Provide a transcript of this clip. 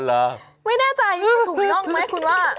ไม่แน่ใจถูกต้องไหมคุณว่า